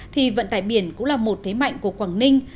thì vận tải biển cũng là một thế mạnh của quảng ninh